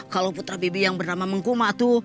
kalau putra bibi yang bernama mangku mak tuh